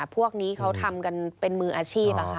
พวกนี้เขาทำกันเป็นมืออาชีพ